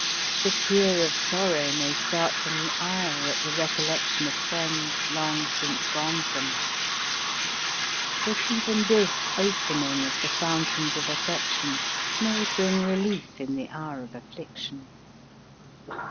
The tear of sorrow may start from the eye at the recollection of friends long since gone from us, but even this opening of the fountains of affection may bring relief in the hour of afflic tion.